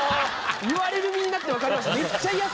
言われる身になって分かりました。